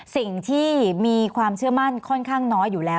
สิ่งที่มีความเชื่อมั่นค่อนข้างน้อยอยู่แล้ว